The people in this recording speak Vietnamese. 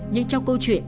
nhưng trong câu chuyện